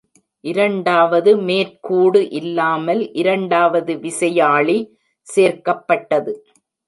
இரண்டாவது மேற்கூடு இல்லாமல் இரண்டாவது விசையாழி சேர்க்கப்பட்டது.